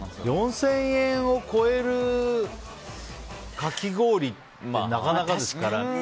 ４０００円を超えるかき氷ってなかなかですから。